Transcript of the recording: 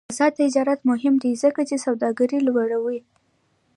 آزاد تجارت مهم دی ځکه چې سوداګري لوړوي.